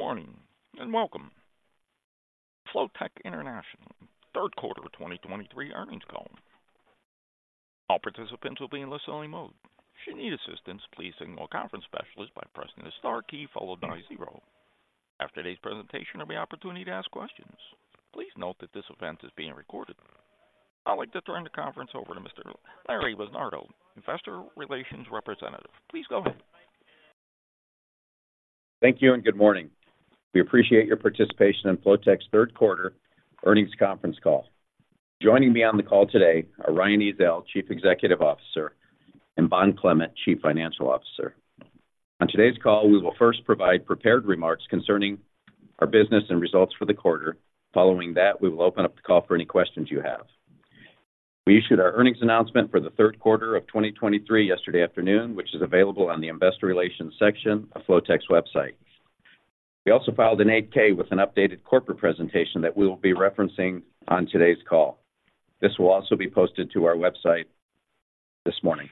Good morning, and welcome to Flotek Industries third quarter of 2023 earnings call. All participants will be in listening mode. Should you need assistance, please signal a conference specialist by pressing the star key followed by zero. After today's presentation, there will be opportunity to ask questions. Please note that this event is being recorded. I'd like to turn the conference over to Mr. Larry Busnardo, Investor Relations representative. Please go ahead. Thank you, and good morning. We appreciate your participation in Flotek's third quarter earnings conference call. Joining me on the call today are Ryan Ezell, Chief Executive Officer, and Bond Clement, Chief Financial Officer. On today's call, we will first provide prepared remarks concerning our business and results for the quarter. Following that, we will open up the call for any questions you have. We issued our earnings announcement for the third quarter of 2023 yesterday afternoon, which is available on the Investor Relations section of Flotek's website. We also filed an 8-K with an updated corporate presentation that we will be referencing on today's call. This will also be posted to our website this morning.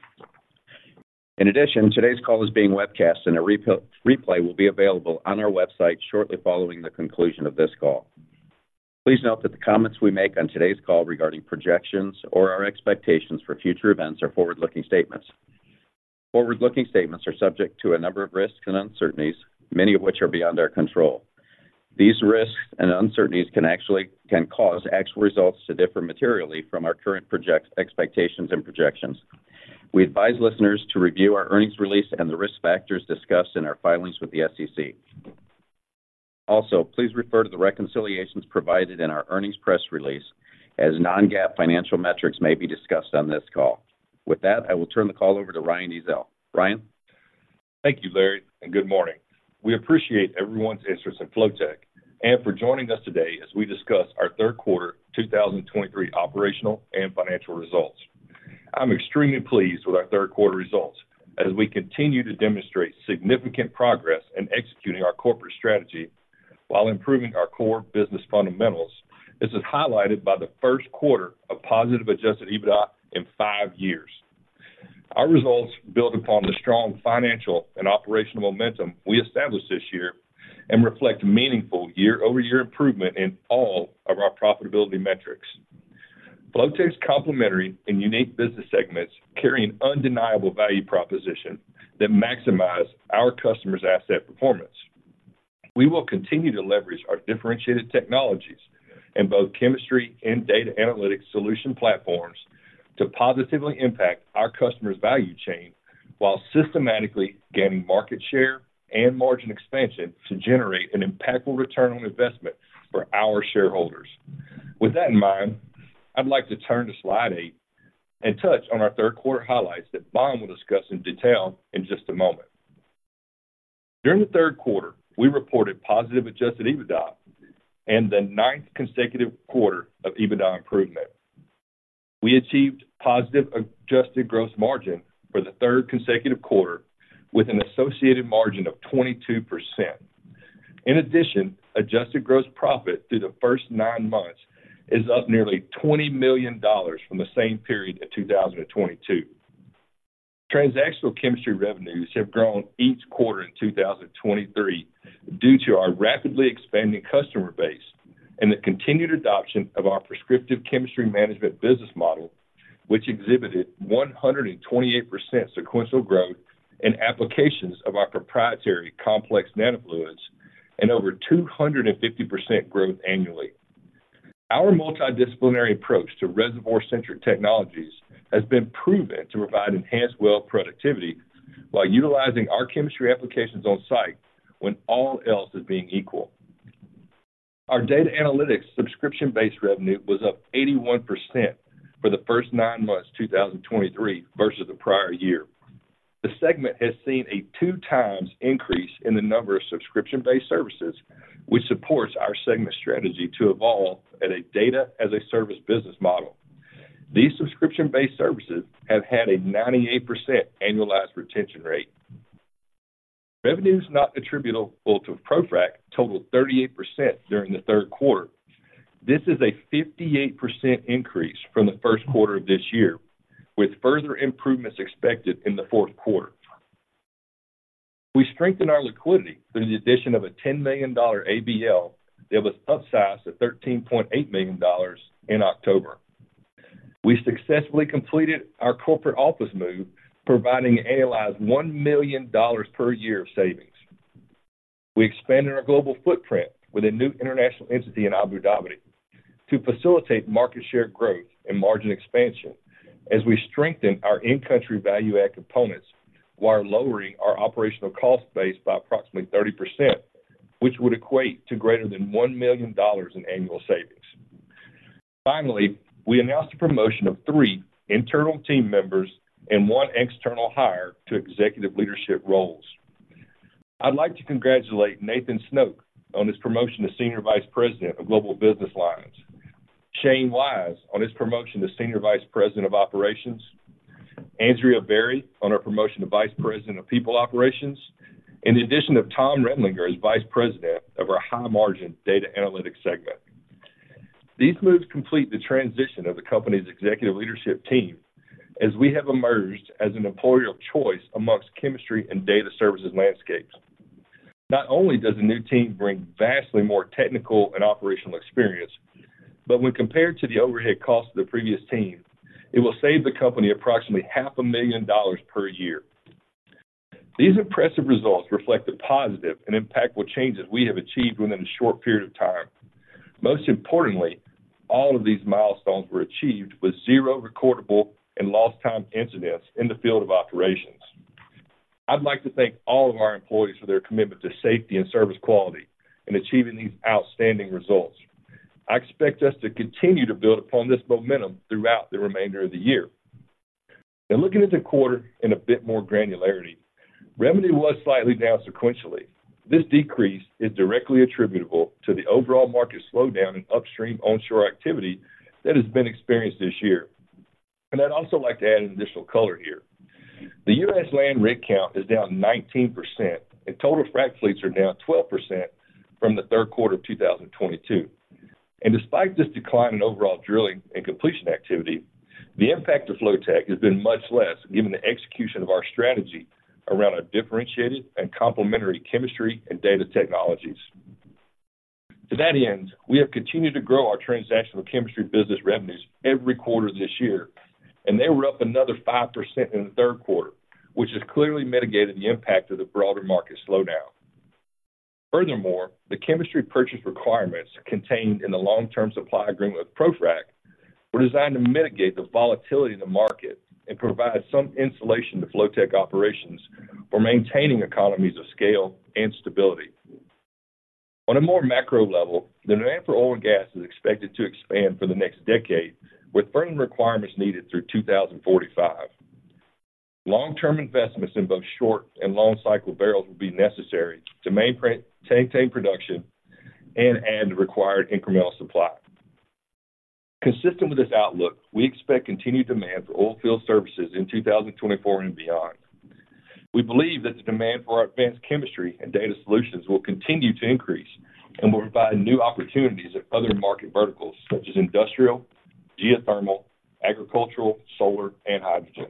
In addition, today's call is being webcast, and a replay will be available on our website shortly following the conclusion of this call. Please note that the comments we make on today's call regarding projections or our expectations for future events are forward-looking statements. Forward-looking statements are subject to a number of risks and uncertainties, many of which are beyond our control. These risks and uncertainties can actually cause actual results to differ materially from our current projections, expectations, and projections. We advise listeners to review our earnings release and the risk factors discussed in our filings with the SEC. Also, please refer to the reconciliations provided in our earnings press release, as non-GAAP financial metrics may be discussed on this call. With that, I will turn the call over to Ryan Ezell. Ryan? Thank you, Larry, and good morning. We appreciate everyone's interest in Flotek and for joining us today as we discuss our third quarter 2023 operational and financial results. I'm extremely pleased with our third quarter results as we continue to demonstrate significant progress in executing our corporate strategy while improving our core business fundamentals. This is highlighted by the first quarter of positive Adjusted EBITDA in 5 years. Our results build upon the strong financial and operational momentum we established this year and reflect meaningful year-over-year improvement in all of our profitability metrics. Flotek's complementary and unique business segments carry an undeniable value proposition that maximize our customers' asset performance. We will continue to leverage our differentiated technologies in both chemistry and data analytics solution platforms to positively impact our customers' value chain, while systematically gaining market share and margin expansion to generate an impactful return on investment for our shareholders. With that in mind, I'd like to turn to slide 8 and touch on our third quarter highlights that Bond will discuss in detail in just a moment. During the third quarter, we reported positive Adjusted EBITDA and the 9th consecutive quarter of EBITDA improvement. We achieved positive Adjusted gross margin for the third consecutive quarter, with an associated margin of 22%. In addition, Adjusted gross profit through the first 9 months is up nearly $20 million from the same period of 2022. Transactional chemistry revenues have grown each quarter in 2023 due to our rapidly expanding customer base and the continued adoption of our prescriptive chemistry management business model, which exhibited 128% sequential growth in applications of our proprietary Complex nano-Fluids and over 250% growth annually. Our multidisciplinary approach to reservoir-centric technologies has been proven to provide enhanced well productivity while utilizing our chemistry applications on site when all else is being equal. Our data analytics subscription-based revenue was up 81% for the first nine months 2023 versus the prior year. The segment has seen a 2 times increase in the number of subscription-based services, which supports our segment strategy to evolve at a data as a service business model. These subscription-based services have had a 98% annualized retention rate. Revenues not attributable to ProFrac totaled 38% during the third quarter. This is a 58% increase from the first quarter of this year, with further improvements expected in the fourth quarter. We strengthened our liquidity through the addition of a $10 million ABL that was upsized to $13.8 million in October. We successfully completed our corporate office move, providing an annualized $1 million per year of savings. We expanded our global footprint with a new international entity in Abu Dhabi to facilitate market share growth and margin expansion as we strengthen our in-country value add components while lowering our operational cost base by approximately 30%, which would equate to greater than $1 million in annual savings. Finally, we announced the promotion of three internal team members and one external hire to executive leadership roles. I'd like to congratulate Nathan Snoke on his promotion to Senior Vice President of Global Business Lines, Shane Wise on his promotion to Senior Vice President of Operations, Andrea Berry on her promotion to Vice President of People Operations, and the addition of Tom Redlinger as Vice President of our high-margin data analytics segment. These moves complete the transition of the company's executive leadership team, as we have emerged as an employer of choice amongst chemistry and data services landscapes. Not only does the new team bring vastly more technical and operational experience, but when compared to the overhead cost of the previous team, it will save the company approximately $500,000 per year. These impressive results reflect the positive and impactful changes we have achieved within a short period of time. Most importantly, all of these milestones were achieved with zero recordable and lost time incidents in the field of operations. I'd like to thank all of our employees for their commitment to safety and service quality in achieving these outstanding results. I expect us to continue to build upon this momentum throughout the remainder of the year. Now, looking at the quarter in a bit more granularity, revenue was slightly down sequentially. This decrease is directly attributable to the overall market slowdown in upstream onshore activity that has been experienced this year. I'd also like to add an additional color here. The U.S. land rig count is down 19%, and total Frac fleets are down 12% from the third quarter of 2022. Despite this decline in overall drilling and completion activity, the impact of Flotek has been much less, given the execution of our strategy around our differentiated and complementary chemistry and data technologies. To that end, we have continued to grow our transactional chemistry business revenues every quarter this year, and they were up another 5% in the third quarter, which has clearly mitigated the impact of the broader market slowdown. Furthermore, the chemistry purchase requirements contained in the long-term supply agreement with ProFrac were designed to mitigate the volatility in the market and provide some insulation to Flotek operations for maintaining economies of scale and stability. On a more macro level, the demand for oil and gas is expected to expand for the next decade, with firm requirements needed through 2045. Long-term investments in both short and long cycle barrels will be necessary to maintain production and add the required incremental supply. Consistent with this outlook, we expect continued demand for oilfield services in 2024 and beyond. We believe that the demand for our advanced chemistry and data solutions will continue to increase and will provide new opportunities in other market verticals such as industrial, geothermal, agricultural, solar, and hydrogen.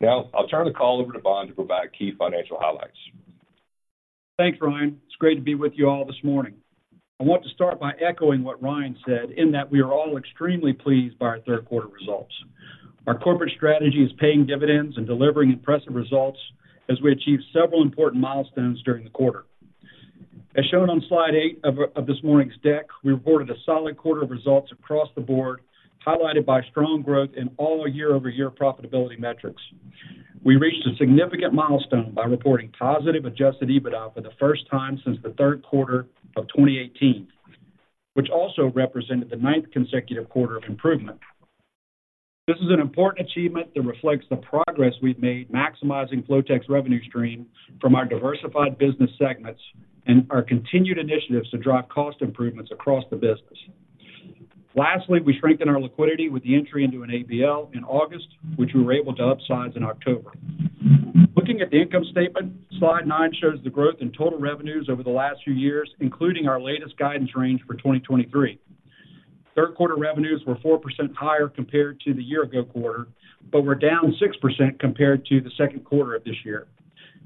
Now, I'll turn the call over to Bond to provide key financial highlights. Thanks, Ryan. It's great to be with you all this morning. I want to start by echoing what Ryan said, in that we are all extremely pleased by our third quarter results. Our corporate strategy is paying dividends and delivering impressive results as we achieve several important milestones during the quarter. As shown on slide eight of this morning's deck, we reported a solid quarter of results across the board, highlighted by strong growth in all our year-over-year profitability metrics. We reached a significant milestone by reporting positive Adjusted EBITDA for the first time since the third quarter of 2018, which also represented the ninth consecutive quarter of improvement. This is an important achievement that reflects the progress we've made, maximizing Flotek's revenue stream from our diversified business segments and our continued initiatives to drive cost improvements across the business. Lastly, we strengthened our liquidity with the entry into an ABL in August, which we were able to upsize in October. Looking at the income statement, slide 9 shows the growth in total revenues over the last few years, including our latest guidance range for 2023. Third quarter revenues were 4% higher compared to the year ago quarter, but were down 6% compared to the second quarter of this year.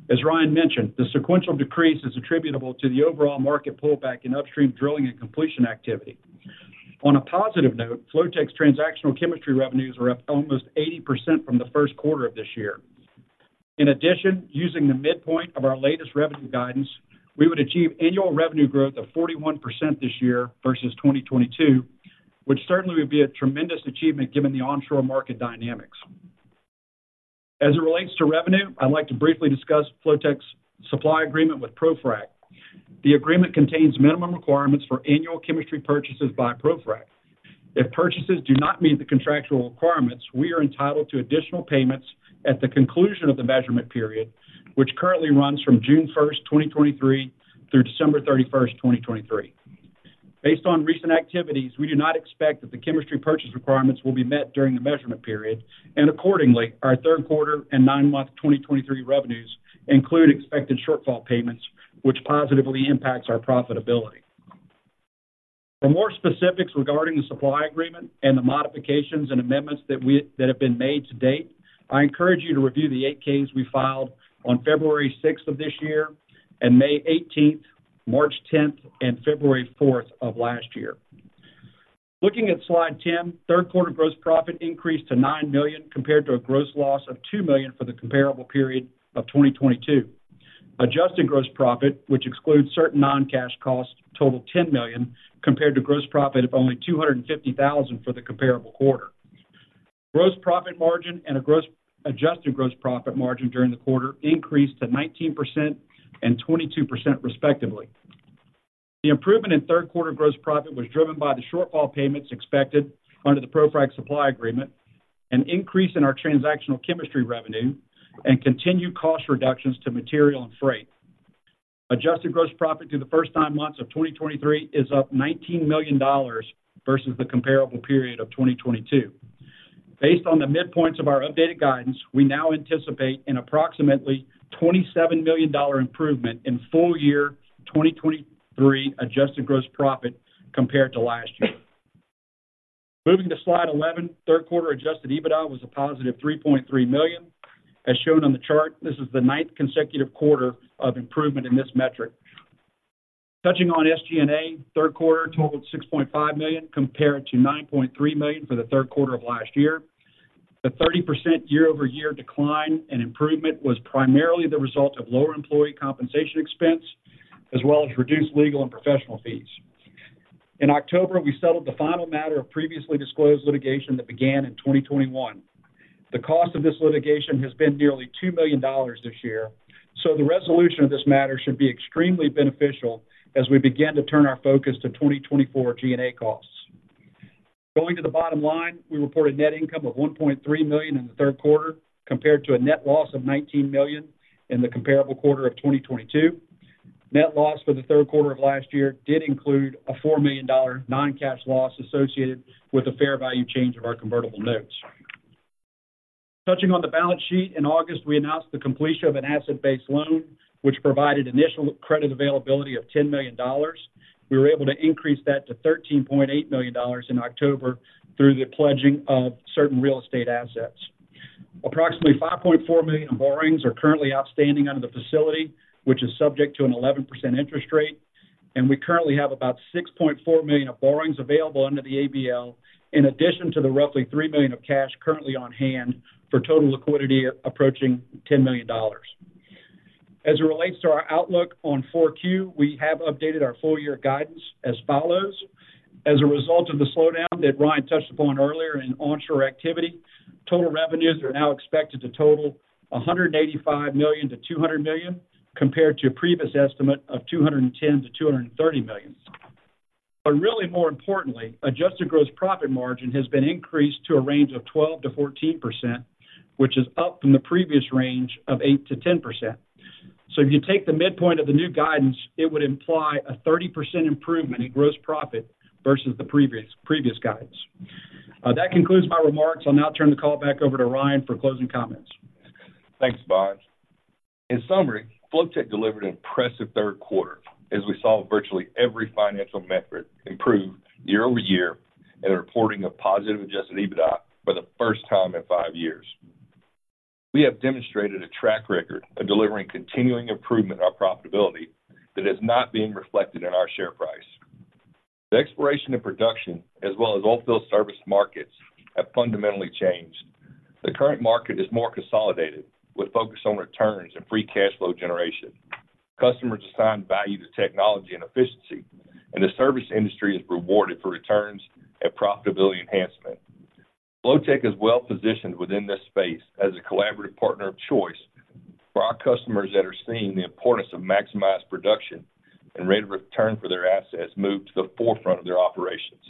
As Ryan mentioned, the sequential decrease is attributable to the overall market pullback in upstream drilling and completion activity. On a positive note, Flotek's transactional chemistry revenues were up almost 80% from the first quarter of this year. In addition, using the midpoint of our latest revenue guidance, we would achieve annual revenue growth of 41% this year versus 2022, which certainly would be a tremendous achievement given the onshore market dynamics. As it relates to revenue, I'd like to briefly discuss Flotek's supply agreement with ProFrac. The agreement contains minimum requirements for annual chemistry purchases by ProFrac. If purchases do not meet the contractual requirements, we are entitled to additional payments at the conclusion of the measurement period, which currently runs from June 1, 2023, through December 31, 2023. Based on recent activities, we do not expect that the chemistry purchase requirements will be met during the measurement period, and accordingly, our third quarter and nine-month 2023 revenues include expected shortfall payments, which positively impacts our profitability. For more specifics regarding the supply agreement and the modifications and amendments that have been made to date, I encourage you to review the 8-Ks we filed on February 6 of this year, and May 18, March 10, and February 4 of last year. Looking at slide 10, third quarter gross profit increased to $9 million, compared to a gross loss of $2 million for the comparable period of 2022. Adjusted gross profit, which excludes certain non-cash costs, totaled $10 million, compared to gross profit of only $250,000 for the comparable quarter. Gross profit margin and Adjusted gross profit margin during the quarter increased to 19% and 22% respectively. The improvement in third quarter gross profit was driven by the shortfall payments expected under the ProFrac supply agreement, an increase in our transactional chemistry revenue, and continued cost reductions to material and freight. Adjusted gross profit through the first nine months of 2023 is up $19 million versus the comparable period of 2022. Based on the midpoints of our updated guidance, we now anticipate an approximately $27 million improvement in full year 2023 Adjusted gross profit compared to last year. Moving to slide 11, third quarter adjusted EBITDA was a positive $3.3 million. As shown on the chart, this is the ninth consecutive quarter of improvement in this metric. Touching on SG&A, third quarter totaled $6.5 million, compared to $9.3 million for the third quarter of last year. The 30% year-over-year decline and improvement was primarily the result of lower employee compensation expense, as well as reduced legal and professional fees. In October, we settled the final matter of previously disclosed litigation that began in 2021. The cost of this litigation has been nearly $2 million this year, so the resolution of this matter should be extremely beneficial as we begin to turn our focus to 2024 G&A costs. Going to the bottom line, we reported net income of $1.3 million in the third quarter, compared to a net loss of $19 million in the comparable quarter of 2022. Net loss for the third quarter of last year did include a $4 million non-cash loss associated with the fair value change of our convertible notes. Touching on the balance sheet, in August, we announced the completion of an asset-based loan, which provided initial credit availability of $10 million. We were able to increase that to $13.8 million in October through the pledging of certain real estate assets. Approximately $5.4 million of borrowings are currently outstanding under the facility, which is subject to an 11% interest rate, and we currently have about $6.4 million of borrowings available under the ABL, in addition to the roughly $3 million of cash currently on hand, for total liquidity approaching $10 million. As it relates to our outlook on 4Q, we have updated our full year guidance as follows: As a result of the slowdown that Ryan touched upon earlier in onshore activity, total revenues are now expected to total $185 million-$200 million, compared to a previous estimate of $210 million-$230 million. But really more importantly, Adjusted gross profit margin has been increased to a range of 12%-14%, which is up from the previous range of 8%-10%. So if you take the midpoint of the new guidance, it would imply a 30% improvement in gross profit versus the previous, previous guidance. That concludes my remarks. I'll now turn the call back over to Ryan for closing comments. Thanks, Bond. In summary, Flotek delivered an impressive third quarter as we saw virtually every financial metric improve year-over-year, and a reporting of positive Adjusted EBITDA for the first time in five years. We have demonstrated a track record of delivering continuing improvement in our profitability that is not being reflected in our share price. The exploration and production, as well as oilfield service markets, have fundamentally changed. The current market is more consolidated, with focus on returns and free cash flow generation. Customers assign value to technology and efficiency, and the service industry is rewarded for returns and profitability enhancement. Flotek is well positioned within this space as a collaborative partner of choice for our customers that are seeing the importance of maximized production and rate of return for their assets move to the forefront of their operations.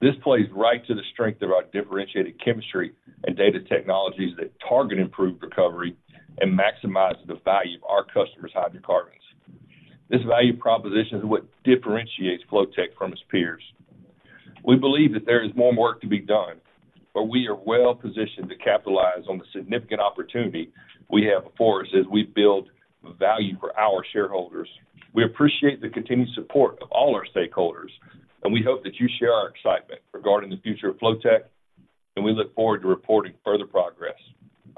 This plays right to the strength of our differentiated chemistry and data technologies that target improved recovery and maximize the value of our customers' hydrocarbons. This value proposition is what differentiates Flotek from its peers. We believe that there is more work to be done, but we are well positioned to capitalize on the significant opportunity we have before us as we build value for our shareholders. We appreciate the continued support of all our stakeholders, and we hope that you share our excitement regarding the future of Flotek, and we look forward to reporting further progress.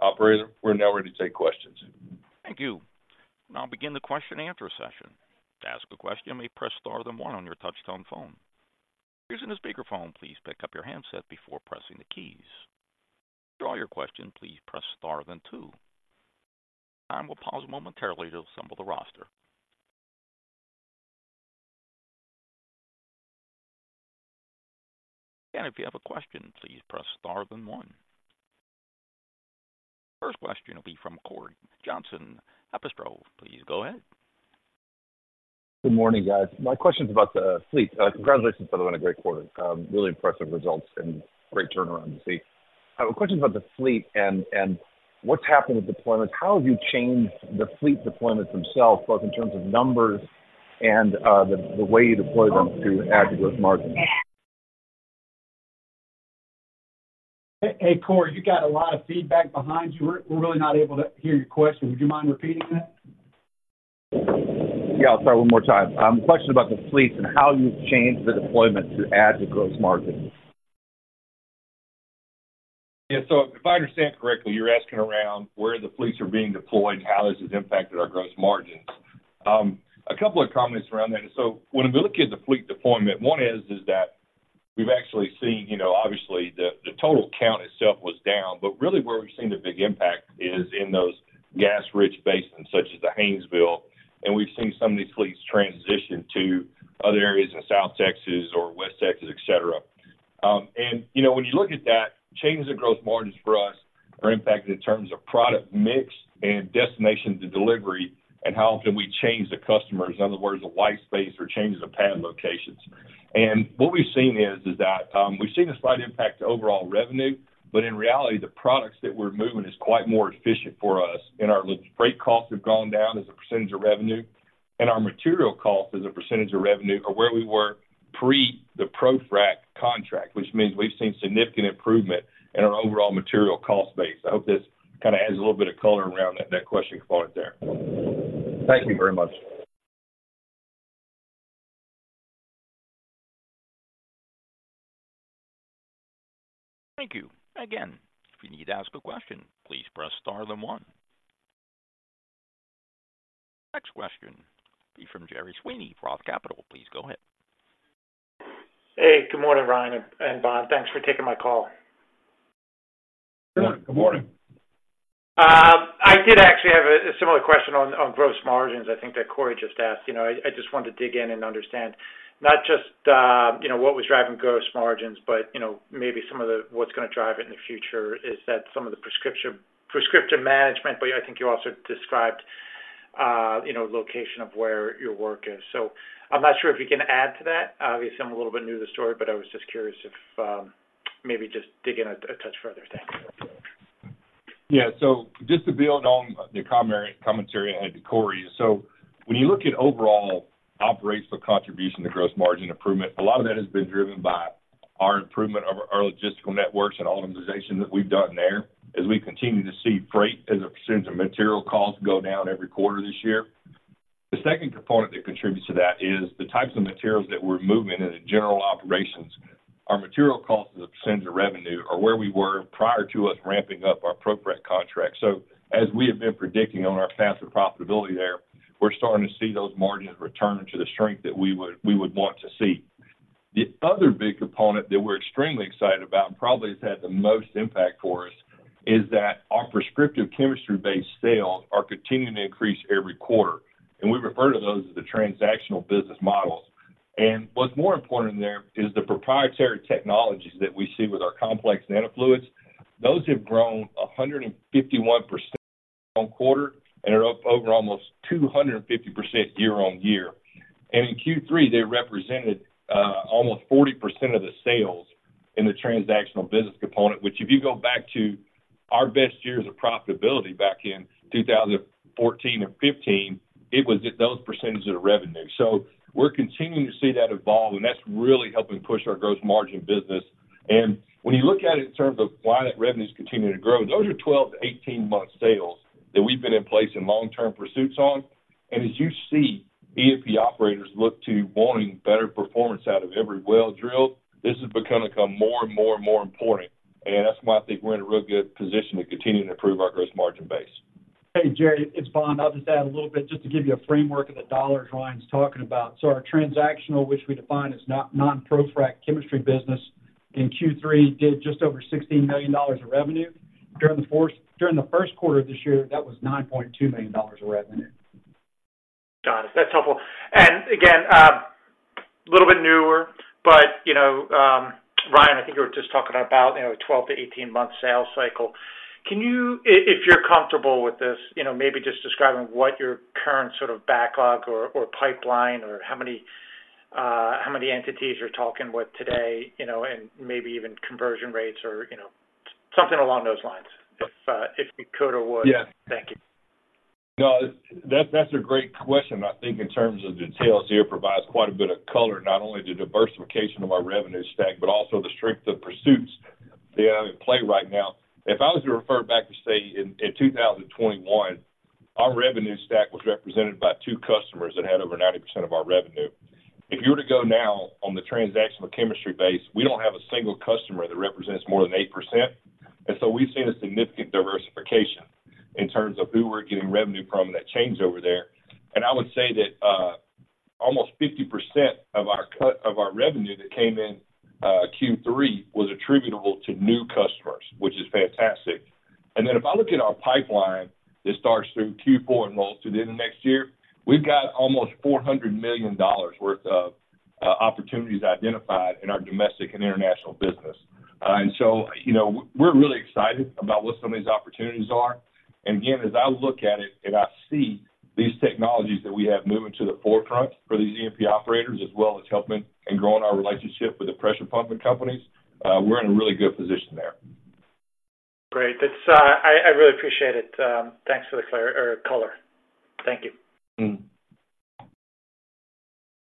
Operator, we're now ready to take questions. Thank you. I'll now begin the question-and-answer session. To ask a question, may press star then one on your touchtone phone. If you're using a speakerphone, please pick up your handset before pressing the keys. To withdraw your question, please press star then two. I will pause momentarily to assemble the roster. If you have a question, please press star then one. First question will be from Corey Johnson, Epistrophy. Please go ahead. Good morning, guys. My question's about the fleet. Congratulations, by the way, on a great quarter. Really impressive results and great turnaround to see. I have a question about the fleet and what's happened with deployments. How have you changed the fleet deployments themselves, both in terms of numbers and the way you deploy them to add to gross margins? Hey, Corey, you got a lot of feedback behind you. We're really not able to hear your question. Would you mind repeating that? Yeah, I'll try one more time. Question about the fleet and how you've changed the deployment to add to gross margins? Yeah, so if I understand correctly, you're asking around where the fleets are being deployed, and how this has impacted our gross margins. A couple of comments around that. So when we look at the fleet deployment, one is, is that we've actually seen, you know, obviously, the, the total count itself was down, but really where we've seen the big impact is in those gas-rich basins, such as the Haynesville, and we've seen some of these fleets transition to other areas in South Texas or West Texas, et cetera. And, you know, when you look at that, changes in gross margins for us are impacted in terms of product mix and destination to delivery, and how often we change the customers. In other words, the white space or changes of pad locations. What we've seen is that we've seen a slight impact to overall revenue, but in reality, the products that we're moving is quite more efficient for us, and our logistics freight costs have gone down as a percentage of revenue, and our material costs as a percentage of revenue are where we were pre the ProFrac contract, which means we've seen significant improvement in our overall material cost base. I hope this kind of adds a little bit of color around that question component there. Thank you very much. Thank you. Again, if you need to ask a question, please press star then one. Next question will be from Gerry Sweeney, Roth Capital. Please go ahead. Hey, good morning, Ryan and Bond. Thanks for taking my call. Good morning. Good morning. I did actually have a similar question on gross margins I think that Corey just asked. You know, I just wanted to dig in and understand not just, you know, what was driving gross margins, but, you know, maybe some of the, what's gonna drive it in the future is that some of the prescriptive management, but I think you also described, you know, location of where your work is. So I'm not sure if you can add to that. Obviously, I'm a little bit new to the story, but I was just curious if maybe just dig in a touch further. Thank you. Yeah. So just to build on the commentary I had to Corey. So when you look at overall operational contribution to gross margin improvement, a lot of that has been driven by our improvement of our logistical networks and optimization that we've done there, as we continue to see freight as a percentage of material costs go down every quarter this year. The second component that contributes to that is the types of materials that we're moving in the general operations. Our material costs as a percentage of revenue are where we were prior to us ramping up our ProFrac contract. So as we have been predicting on our faster profitability there, we're starting to see those margins return to the strength that we would want to see. The other big component that we're extremely excited about, and probably has had the most impact for us, is that our prescriptive chemistry-based sales are continuing to increase every quarter, and we refer to those as the transactional business models. What's more important there is the proprietary technologies that we see with our Complex nano-Fluids. Those have grown 151% on quarter and are up over almost 250% year-on-year. And in Q3, they represented almost 40% of the sales in the transactional business component, which, if you go back to our best years of profitability back in 2014 and 2015, it was at those percentages of revenue. So we're continuing to see that evolve, and that's really helping push our gross margin business. When you look at it in terms of why that revenue is continuing to grow, those are 12-18-month sales that we've been in place in long-term pursuits on. As you see, E&P operators look to wanting better performance out of every well drilled, this is gonna become more and more and more important, and that's why I think we're in a real good position to continue to improve our gross margin base. Hey, Gerry, it's Bond. I'll just add a little bit just to give you a framework of the dollars Ryan's talking about. So our transactional, which we define as non-ProFrac chemistry business, in Q3, did just over $16 million of revenue. During the first quarter of this year, that was $9.2 million of revenue. Got it. That's helpful. And again, a little bit newer, but, you know, Ryan, I think you were just talking about, you know, a 12-18-month sales cycle. Can you, if, if you're comfortable with this, you know, maybe just describing what your current sort of backlog or, or pipeline or how many, how many entities you're talking with today, you know, and maybe even conversion rates or, you know, something along those lines, if, if you could or would? Yeah. Thank you. No, that's, that's a great question. I think in terms of details here, provides quite a bit of color, not only the diversification of our revenue stack, but also the strength of pursuits that are at play right now. If I was to refer back to, say, in two thousand and twenty-one, our revenue stack was represented by two customers that had over 90% of our revenue. If you were to go now on the transactional chemistry base, we don't have a single customer that represents more than 8%. And so we've seen a significant diversification in terms of who we're getting revenue from, and that changed over there. And I would say that almost 50% of our revenue that came in Q3 was attributable to new customers, which is fantastic. Then if I look at our pipeline, that starts through Q4 and rolls through the end of next year, we've got almost $400 million worth of opportunities identified in our domestic and international business. And so, you know, we're really excited about what some of these opportunities are. And again, as I look at it, and I see these technologies that we have moving to the forefront for these E&P operators, as well as helping and growing our relationship with the pressure pumping companies, we're in a really good position there. Great. That's, I really appreciate it. Thanks for the clear or color. Thank you. Mm-hmm.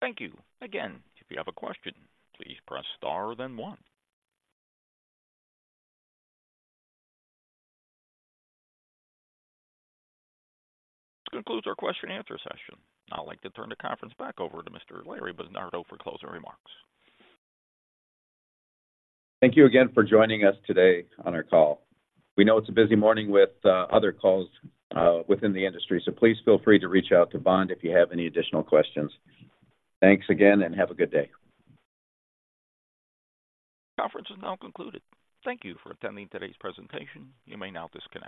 Thank you. Again, if you have a question, please press star then one. This concludes our question and answer session. I'd like to turn the conference back over to Mr. Larry Busnardo for closing remarks. Thank you again for joining us today on our call. We know it's a busy morning with other calls within the industry, so please feel free to reach out to Bond if you have any additional questions. Thanks again, and have a good day. Conference is now concluded. Thank you for attending today's presentation. You may now disconnect.